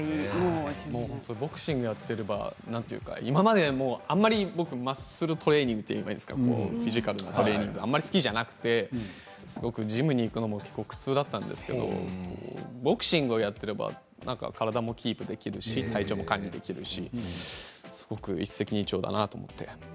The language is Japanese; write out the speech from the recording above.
ボクシングをやっていれば今まで、あまりマッスルトレーニングというんですかフィジカルなトレーニングがあまり好きじゃなくてジムに行くのも苦痛だったんですけれどボクシングをやっていれば体もキープできるし体調も管理できるしすごく一石二鳥だなと思って。